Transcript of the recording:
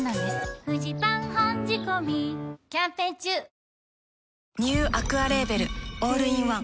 驚きのお土産にニューアクアレーベルオールインワン